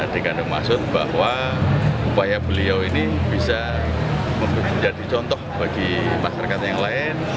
dikandung maksud bahwa upaya beliau ini bisa menjadi contoh bagi masyarakat yang lain